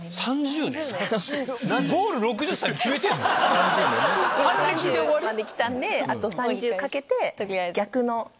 ３０年⁉３０まできたんであと３０かけて。